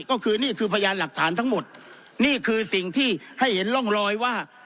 ก็คือนี่คือพยานหลักฐานทั้งหมดนี่คือสิ่งที่ให้เห็นร่องรอยว่า